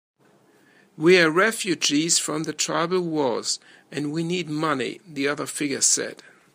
"We're refugees from the tribal wars, and we need money," the other figure said.